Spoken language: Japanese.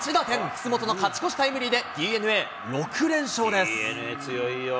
楠本の勝ち越しタイムリーでＤｅＮＡ、６連勝です。